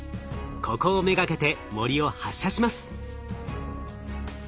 ここを目がけて銛を発射します。